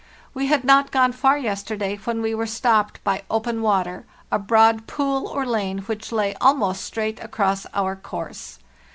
We had not gone far yesterday when we were stopped by open water a broad pool or lane which lay almost straight across our course.